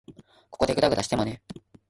ここでぐだぐだしてもね。